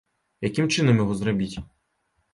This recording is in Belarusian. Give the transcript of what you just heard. Якім чынам яго зрабіць?